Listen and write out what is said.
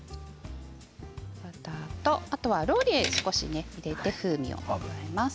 バターそしてローリエ少し入れて風味を加えます。